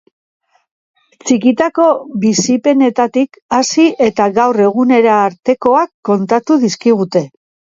Txikitako bizipenetatik hasi eta gaur egunera artekoak kontatu dizkigute.